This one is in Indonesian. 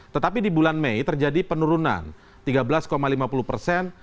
tetapi di bulan mei terjadi penurunan tiga belas lima puluh persen